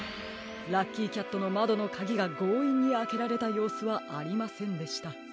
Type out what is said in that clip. ラッキーキャットのまどのカギがごういんにあけられたようすはありませんでした。